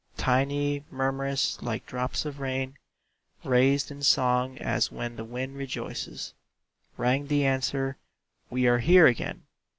Tiny, murmurous, like drops of rain, Raised in song as when the wind rejoices, Ring the answer, "We are here again.